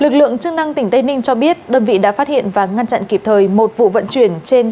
lực lượng chức năng tỉnh tây ninh cho biết đơn vị đã phát hiện và ngăn chặn kịp thời một vụ vận chuyển trên